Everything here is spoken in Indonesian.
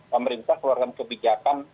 pemerintah keluarkan kebijakan